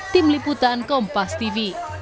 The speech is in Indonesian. tim liputan kompas tv